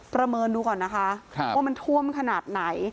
ประเมินดูก่อนนะคะว่ามันท่วมขนาดไหน